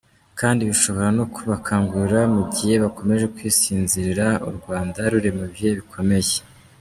Kandi bishobora no kubakangura mu gihe bakomeje kwisinzirira Urwanda ruri mu bihe bikomeye.